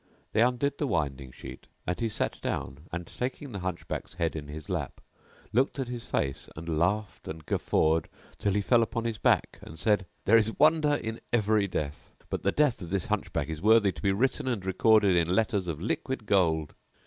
They undid the winding sheet and he sat down and, taking the Hunchback's head in his lap, looked at his face and laughed and guffaw'd[FN#697] till he fell upon his back and said, "There is wonder in every death,[FN#698] but the death of this Hunchback is worthy to be written and recorded in letters of liquid gold!"